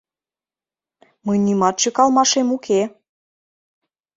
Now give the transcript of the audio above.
— Мый нимат шӱкалмашем уке.